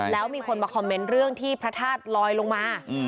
แล้วมีคนมาคอมเมนต์เรื่องที่พระธาตุลอยลงมา